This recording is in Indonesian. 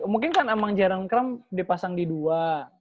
mungkin kan sama jaren kram dipasang di dua